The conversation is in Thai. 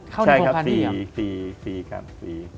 ใช่ครับฟรีฟรีครับฟรี